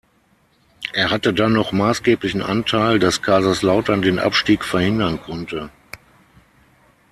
Er hatte dann noch maßgeblichen Anteil, dass Kaiserslautern den Abstieg verhindern konnte.